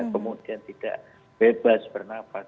kemudian tidak bebas bernafas